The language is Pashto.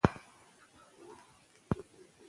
له دي تصريحاتو څخه دا نتيجه راوځي